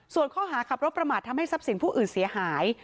ส่วนข้อหาขับรถประมาททำให้ทรัพย์สินผู้อื่นเสียหาย